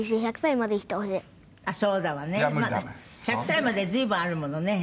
１００歳まで随分あるものね。